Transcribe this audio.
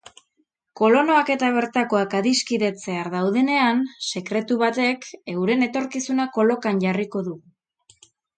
Kolonoak eta bertakoak adiskidetzear daudenean, sekretu batek euren etorkizuna kolokan jarriko du.